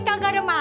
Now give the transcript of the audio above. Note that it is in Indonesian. gak ada masalah